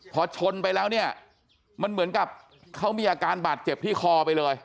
พอชนไปแล้วเนี่ยมันเหมือนกับเขามีอาการบาดเจ็บที่คอไปเลย